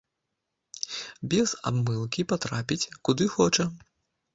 Без абмылкі патрапіць, куды хоча.